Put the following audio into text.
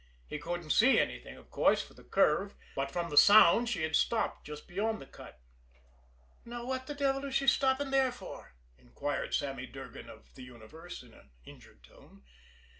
He couldn't see anything, of course, for the curve, but from the sound she had stopped just beyond the cut. "Now, what the devil is she stopping there for?" inquired Sammy Durgan of the universe in an injured tone.